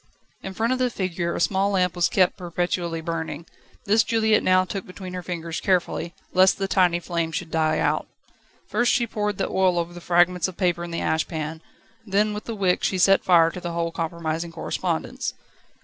In front of the figure a small lamp was kept perpetually burning. This Juliette now took between her fingers, carefully, lest the tiny flame should die out. First she poured the oil over the fragments of paper in the ash pan, then with the wick she set fire to the whole compromising correspondence.